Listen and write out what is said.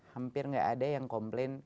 hampir nggak ada yang komplain